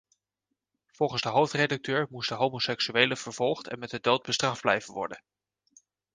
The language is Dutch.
Volgens de hoofdredacteur moesten homoseksuelen vervolgd en met de dood bestraft blijven worden.